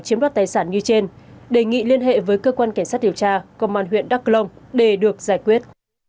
chiếm đoạt tài sản như trên đề nghị liên hệ với cơ quan cảnh sát điều tra công an huyện đắk long để được giải quyết